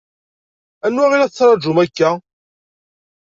Anwa i la tettṛaǧum akka?